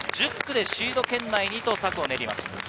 １０区でシード圏内にと策を練ります。